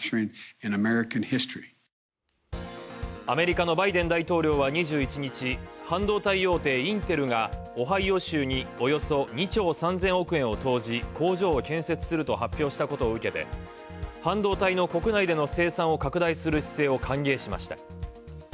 アメリカのバイデン大統領は２１日、半導体大手インテルが、オハイオ州におよそ２兆３０００億円を投じ、工場を建設すると発表したことを受けて半導体の国内での生産を拡大する姿勢を歓迎しました。